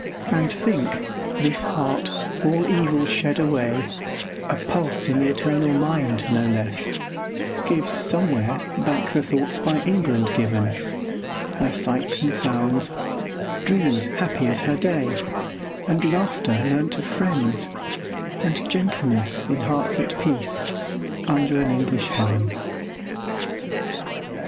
And think, this heart, all evil shed away, A pulse in the eternal mind, no less Gives somewhere back the thoughts by England given; Her sights and sounds; dreams happy as her day; And laughter, learnt of friends; and gentleness, In hearts at peace, under an English heaven.